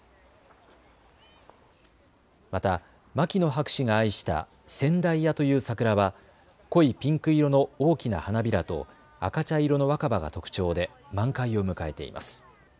また牧野博士が愛した仙台屋という桜は濃いピンク色の大きな花びらと赤茶色の若葉が特徴で満開を迎えています。